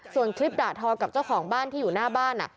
ส่วนคลิปด่าทอกับเจ้าของบ้านที่อยู่หน้าบ้าน